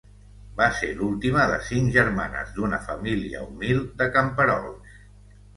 Va ser l'última de cinc germanes d'una família humil de camperols.